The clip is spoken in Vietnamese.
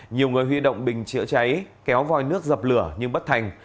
nhiều người huy động bình chữa cháy kéo vòi nước dập lửa nhưng bất thành